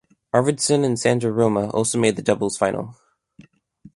Arvidsson and Sandra Roma also made the doubles final.